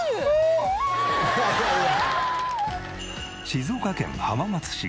静岡県浜松市。